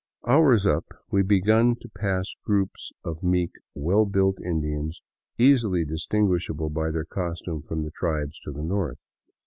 Hours up, we began to pass groups of meek, well built Indians, easily distinguishable by their costume from the tribes to the north.